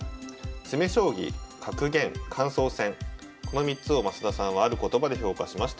詰将棋格言感想戦この３つを増田さんはある言葉で評価しました。